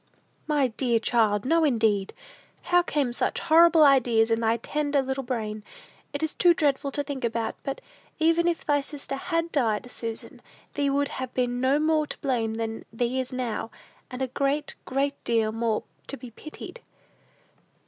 "My dear child, no, indeed! How came such horrible ideas in thy tender little brain? It is too dreadful to think about; but, even if thy little sister had died, Susan, thee would have been no more to blame than thee is now, and a great, great deal more to be pitied."